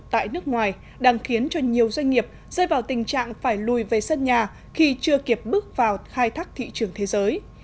tại nước ngoài đang khiến cho nhiều doanh nghiệp rơi vào tình trạng phải lùi về sân nhà khi chưa kịp bước vào khai thác thị trường thế giới